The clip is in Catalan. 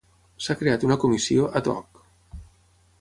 S'ha creat una comissió 'ad hoc'.